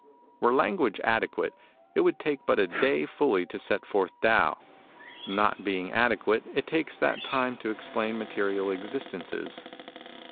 " Were language adequate, it would take but a day fully to set forth Tao. Not being adequate, it takes that time to explain material existences.